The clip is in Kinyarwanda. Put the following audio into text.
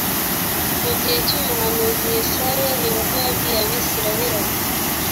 mu gihe cy’ umuhanuzi yesaya yehova yabwiye abisirayeli ati